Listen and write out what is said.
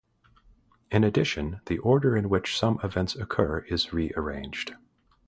In addition, the order in which some events occur is re-arranged.